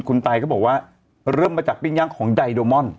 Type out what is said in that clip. คุณไตก็บอกว่าเริ่มมาจากปิ้งย่างของไดโดมอน